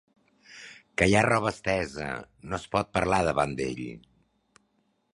Que hi ha roba estesa! No es pot parlar davant d’ell.